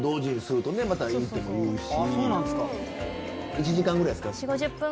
１時間ぐらいですか？